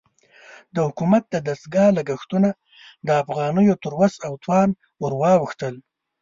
د حکومت د دستګاه لګښتونه د افغانیو تر وس او توان ورواوښتل.